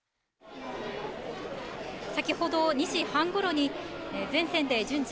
先ほど２時半ごろに、全線で順次、